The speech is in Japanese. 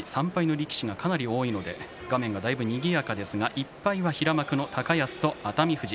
力士がかなり多いので画面がにぎやかですが１敗は平幕高安と熱海富士